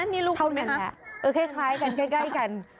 นี่ลูกคุณไหมครับค่อยกัน